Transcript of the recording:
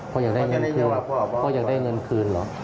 พ่ออยากได้เงินคืนเพราะอยากได้เงินคืนเหรอ